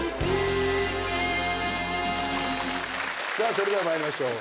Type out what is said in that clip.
それでは参りましょう。